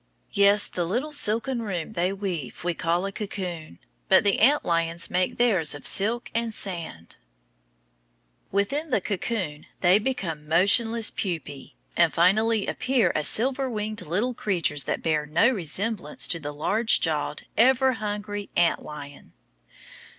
Yes, the little silken room they weave we call a cocoon, but the ant lions make theirs of silk and sand. Within the cocoon they become motionless pupæ, and finally appear as silver winged little creatures that bear no resemblance to the large jawed, ever hungry, ant lion.